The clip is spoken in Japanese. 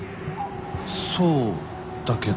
そうだけど。